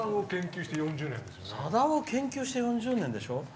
さだを研究して４０年でしょ？